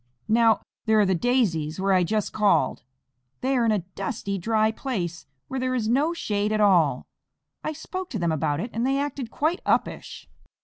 Now, there are the Daisies, where I just called. They are in a dusty, dry place, where there is no shade at all. I spoke to them about it, and they acted quite uppish."